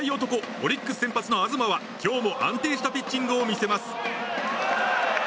オリックス先発の東は今日も安定したピッチングを見せます。